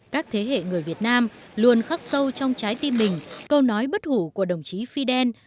các thế hệ người việt nam luôn khắc sâu trong trái tim mình câu nói bất hủ của đồng chí fidel